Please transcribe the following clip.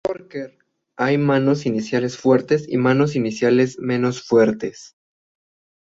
En el póquer hay manos iniciales fuertes y manos iniciales menos fuertes.